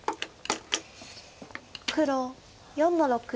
黒４の六。